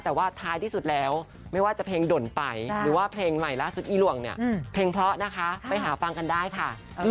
แต่ว่าท้ายที่สุดแล้วไม่ว่าจะเพลงด่นไปหรือว่าเพลงใหม่ล่าสุดอีหลวงเนี่ยเพลงเพราะนะคะไปหาฟังกันได้ค่ะ